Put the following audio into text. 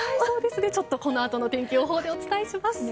ちょっとこのあとの天気予報でお伝えします。